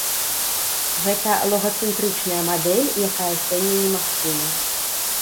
Гэта логацэнтрычная мадэль, якая сёння немагчымая.